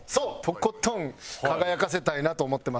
とことん輝かせたいなと思ってます。